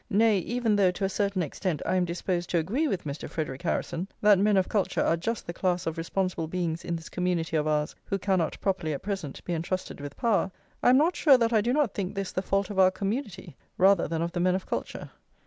Nay, even though to a certain extent I am disposed to agree with Mr. Frederic Harrison, that men of culture are just the class of responsible beings in this community of ours who cannot properly, at present, be entrusted with power, I am not sure that I do not think this the fault of our community rather than of the men of culture.